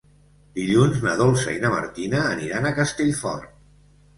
Dilluns na Dolça i na Martina aniran a Castellfort.